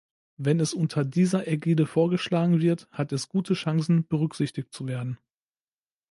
Wenn es unter dieser Ägide vorgeschlagen wird, hat es gute Chancen, berücksichtigt zu werden.